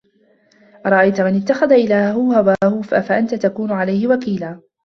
أَرَأَيتَ مَنِ اتَّخَذَ إِلهَهُ هَواهُ أَفَأَنتَ تَكونُ عَلَيهِ وَكيلًا